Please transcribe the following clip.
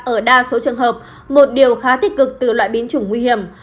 ở đa số trường hợp một điều khá tích cực từ loại biến chủng nguy hiểm